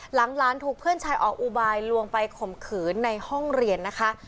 หลานถูกเพื่อนชายออกอุบายลวงไปข่มขืนในห้องเรียนนะคะ